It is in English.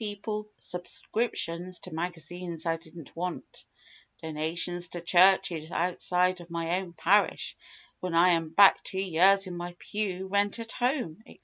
people, subscriptions to magazines I didn't want, donations to churches outside of my own parish when I am back two years in my pew rent at home, etc.)